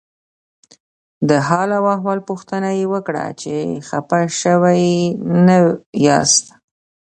د حال او احوال پوښتنه یې وکړه چې خپه شوي نه یاست.